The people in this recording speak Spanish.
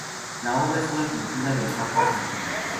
La obra es una pintura del campo argentino.